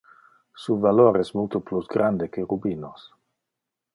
Su valor es multo plus grande que rubinos.